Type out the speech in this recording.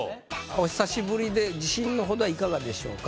お久しぶりで自信の程はいかがでしょうか？